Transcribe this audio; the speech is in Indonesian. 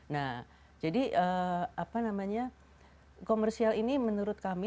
nah jadi apa namanya komersial ini menurut kami